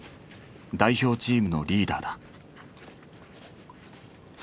代表チームのリーダーだ。